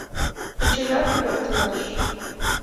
Кечыжат пӧртылеш